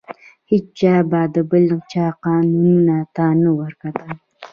هیچا به د بل چا قابونو ته نه ورکتل.